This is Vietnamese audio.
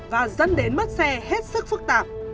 và dẫn đến mất xe hết sức phức tạp